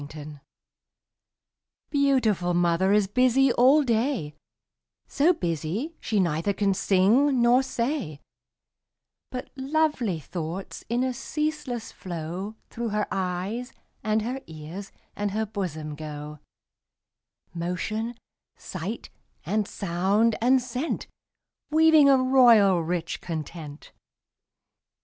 _ Beautiful mother is busy all day, So busy she neither can sing nor say; But lovely thoughts, in a ceaseless flow, Through her eyes, and her ears, and her bosom go Motion, sight, and sound, and scent, Weaving a royal, rich content.